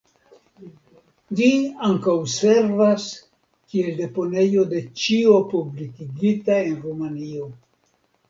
Ĝi ankaŭ servas kiel deponejo de ĉio publikigita en Rumanio.